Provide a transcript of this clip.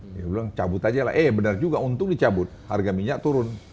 dia bilang cabut aja lah eh benar juga untung dicabut harga minyak turun